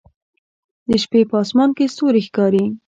د شپې په اسمان کې ستوري ښکاري